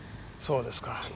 そうですか。